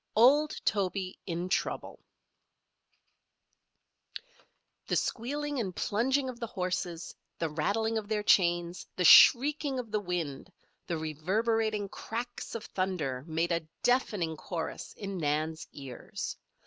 OLD TOBY IN TROUBLE The squealing and plunging of the horses, the rattling of their chains, the shrieking of the wind, the reverberating cracks of thunder made a deafening chorus in Nan's ears.